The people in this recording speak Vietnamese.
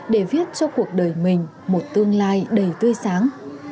để viết cho cuộc đời mình một tương lai đầy tươi sáng